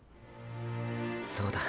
そうだ。